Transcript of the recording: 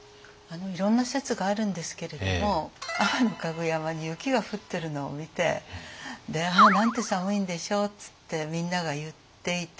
いろんな説があるんですけれども天香具山に雪が降ってるのを見て「ああなんて寒いんでしょう」っつってみんなが言っていた。